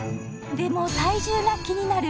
でも体重が気になる